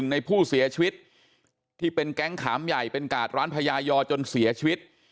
ในผู้เสียชีวิตที่เป็นแก๊งขามใหญ่เป็นกาดร้านพญายอจนเสียชีวิต